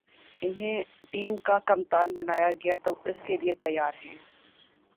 انہیں ٹیم کا کپتان بنایا گیا تو وہ اس کے لیے تیار ہیں